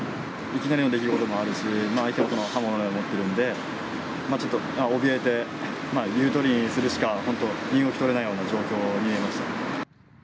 いきなりの出来事でもあるし、相手は刃物のようなものを持っているので、ちょっとおびえて、言うとおりにするしか、本当、身動き取れないような状況に見えました。